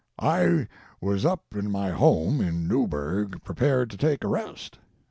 "I was up in my home, in Newbury, prepared to take a rest.